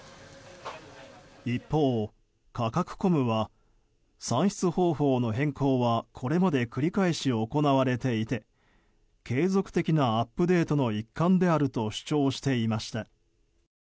一方、カカクコムは算出方法の変更はこれまで繰り返し行われていて継続的なアップデートの一環であると主張していました。